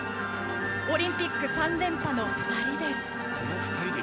オリンピック３連覇の２人です。